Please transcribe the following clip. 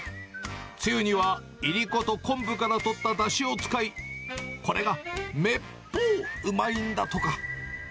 つゆにはイリコと昆布からとっただしを使い、これがめっぽううまいんだとか。